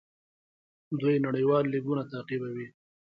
دوی نړیوال لیګونه تعقیبوي.